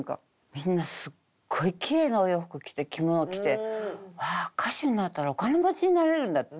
みんなすごいきれいなお洋服着て着物着てわあ歌手になったらお金持ちになれるんだって。